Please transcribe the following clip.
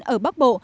ở bắc bộ